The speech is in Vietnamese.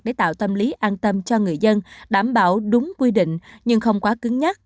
để tạo tâm lý an tâm cho người dân đảm bảo đúng quy định nhưng không quá cứng nhắc